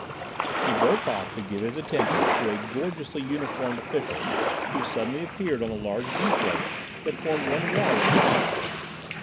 He broke off to give his attention to a gorgeously uniformed official who suddenly appeared on the large viewplate that formed one wall of the apartment.